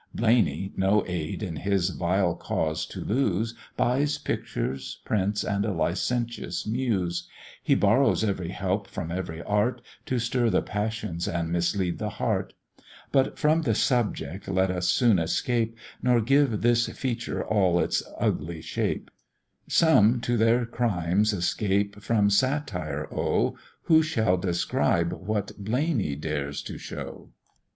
Blaney, no aid in his vile cause to lose, Buys pictures, prints, and a licentious Muse; He borrows every help from every art, To stir the passions and mislead the heart: But from the subject let us soon escape, Nor give this feature all its ugly shape; Some to their crimes escape from satire owe; Who shall describe what Blaney dares to show?